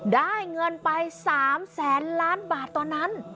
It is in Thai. ได้เงินไป๓แสนล้านบาทตอนนั้น